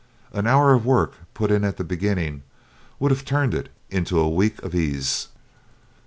An hour of work put in at the beginning would have turned it into a week of ease.